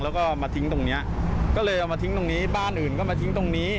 แล้วก็มาทิ้งตรงเนี้ยก็เลยเอามาทิ้งตรงนี้บ้านอื่นก็มาทิ้งตรงนี้